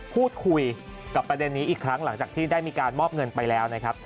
พูดคุยกับประเด็นนี้อีกครั้งหลังจากที่ได้มีการมอบเงินไปแล้วนะครับ